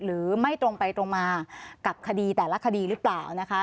หรือไม่ตรงไปตรงมากับคดีแต่ละคดีหรือเปล่านะคะ